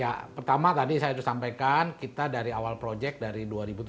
ya pertama tadi saya sudah sampaikan kita dari awal proyek dari dua ribu tujuh belas